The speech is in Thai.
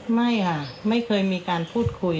ไม่ค่ะไม่เคยมีการพูดคุย